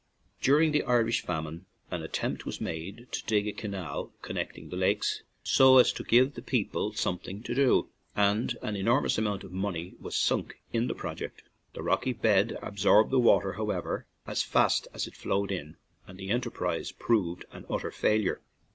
During the Irish famine an attempt was made to dig a canal connecting the lakes, so as to give the people something to do, and an enormous amount of money was sunk in the project. The rocky bed absorbed the water, however, as fast as it flowed in, and the enterprise proved an utter failure.